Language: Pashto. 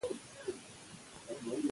نوموړي همدرانګه هغه هڅي شریکي کړې